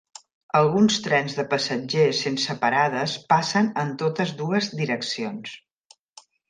Alguns trens de passatgers sense parades passen en totes dues direccions.